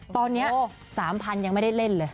ตอนนี้๓๐๐๐ยังไม่ได้เล่นเลย